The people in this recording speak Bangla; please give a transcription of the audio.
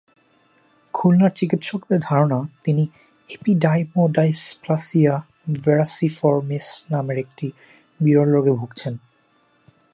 খুলনার চিকিৎসকদের ধারণা, তিনি এপিডার্মোডাইসপ্লাসিয়া ভেরাসিফরমিস নামের একটি বিরল রোগে ভুগছেন।